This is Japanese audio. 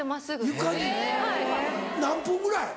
床に何分ぐらい？